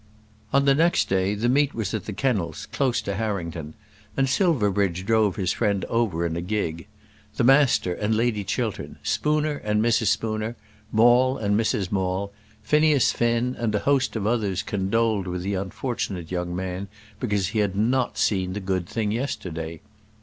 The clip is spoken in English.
On the next day the meet was at the kennels, close to Harrington, and Silverbridge drove his friend over in a gig. The Master and Lady Chiltern, Spooner and Mrs. Spooner, Maule and Mrs. Maule, Phineas Finn, and a host of others condoled with the unfortunate young man because he had not seen the good thing yesterday.